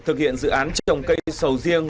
thực hiện dự án trồng cây sầu riêng